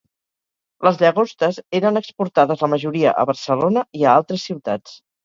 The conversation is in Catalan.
Les llagostes eren exportades la majoria a Barcelona i a altres ciutats.